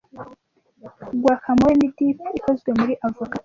Guacamole ni dip ikozwe muri avoka.